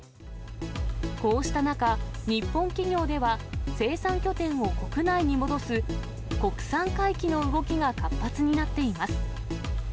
こうした中、日本企業では生産拠点を国内に戻す、国産回帰の動きが活発になっています。